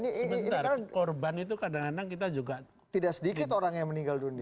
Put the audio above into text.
sementara korban itu kadang kadang kita juga tidak sedikit orang yang meninggal dunia